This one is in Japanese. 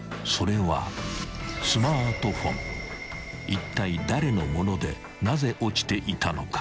［いったい誰のものでなぜ落ちていたのか］